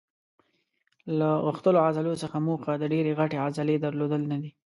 له غښتلو عضلو څخه موخه د ډېرې غټې عضلې درلودل نه دي.